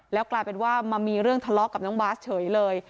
แล้วกลายเป็นว่ามันมีเรื่องถลอกกับบาสเหยเลย